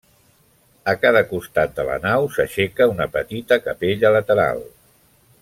A cada costat de la nau s'aixeca una petita capella lateral.